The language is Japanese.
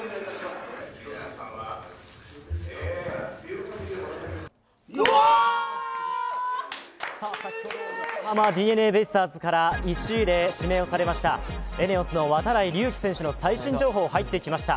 横浜ＤｅＮＡベイスターズから１位で指名されましたＥＮＥＯＳの度会隆輝選手の最新情報入ってきました。